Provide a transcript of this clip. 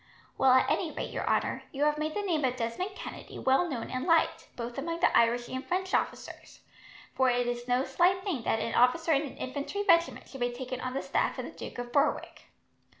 "Well, at any rate, your honour, you have made the name of Desmond Kennedy well known and liked, both among the Irish and French officers, for it is no slight thing that an officer in an infantry regiment should be taken on the staff of the Duke of Berwick."